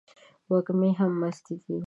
وږمې هم مستې دي